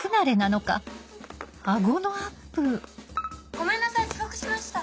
ごめんなさい遅刻しました。